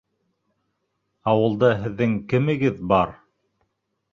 Ауылда һеҙҙең кемегеҙ бар?